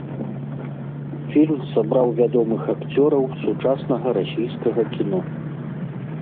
Фільм сабраў вядомых акцёраў сучаснага расійскага кіно.